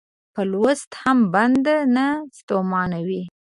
په لوست هم بنده نه ستومانوي.